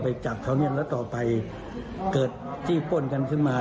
จับเขาเนี่ยแล้วต่อไปเกิดที่ป้นกันขึ้นมา